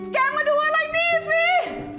แกมาดูอะไรนี่ฟรี